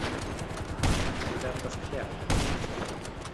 Wir werden das klären, Herr Kollege!